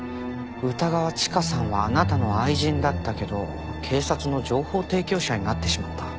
歌川チカさんはあなたの愛人だったけど警察の情報提供者になってしまった。